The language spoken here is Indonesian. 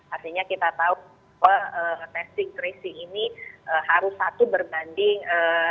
artinya kita tahu testing tracing ini harus satu berbanding